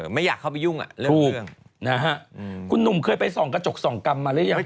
ไม่อยากเข้าไปยุ่งอะเริ่มเรื่องถูกนะฮะคุณหนุ่มเคยไปส่องจกส่องกรรมมาแล้วหรือยัง